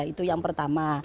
itu yang pertama